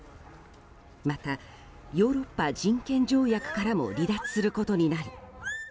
また、ヨーロッパ人権条約からも離脱することになり